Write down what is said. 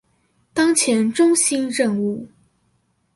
當前中心任務